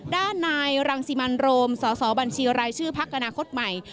ด้านนายรังสิบันโรมสอสอบัญชีอะไรชื่อภักษ์อนาคตใหม่